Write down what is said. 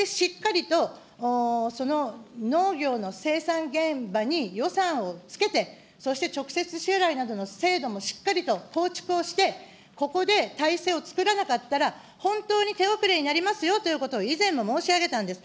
ここでしっかりと、その農業の生産現場に予算をつけて、そして直接支払いなどの制度も構築をして、ここで体制をつくらなかった、本当に手遅れになりますよということを、以前も申し上げたんです。